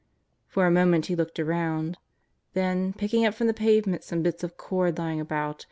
For a moment He looked around. Then, picking up from the pavement some bits of cord lying about.